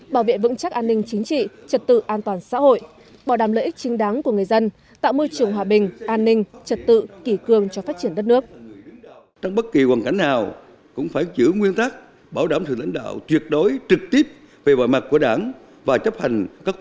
bảo vệ vững chắc an ninh chính trị trật tự an toàn xã hội bảo đảm lợi ích chính đáng của người dân